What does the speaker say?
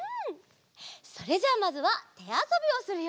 それじゃあまずはてあそびをするよ。